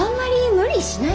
無理しない。